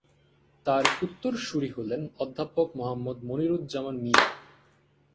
তার উত্তরসূরী হলেন অধ্যাপক মোহাম্মদ মনিরুজ্জামান মিঞা।